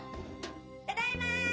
ただいま。